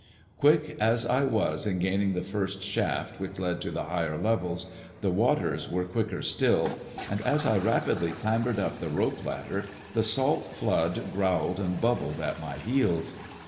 Quick as I was in gaining the first shaft which led to e higher levels', the waters were quicker still, and as I pidly clambered up the rope ladder, the salt flood growled id bubbled at my heels.